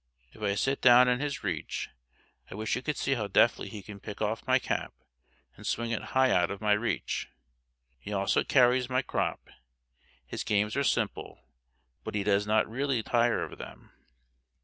If I sit down in his reach I wish you could see how deftly he can pick off my cap and swing it high out of my reach. He also carries my crop; his games are simple, but he does not readily tire of them.